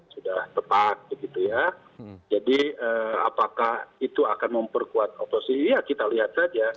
sudah tepat begitu ya jadi apakah itu akan memperkuat oposisi ya kita lihat saja